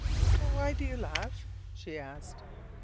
"Why do you laugh?" she asked.